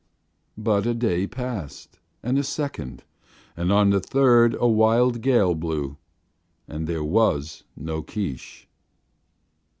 But a day passed, and a second, and on the third a wild gale blew, and there was no Keesh.